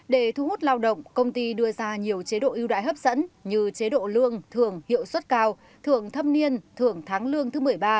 để thu hút lao động công ty đưa ra nhiều chế độ ưu đãi hấp dẫn như chế độ lương thường hiệu suất cao thường thâm niên thưởng tháng lương thứ một mươi ba